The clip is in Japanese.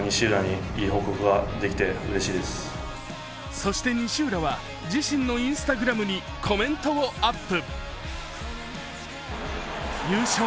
そして西浦は自身のＩｎｓｔａｇｒａｍにコメントをアップ。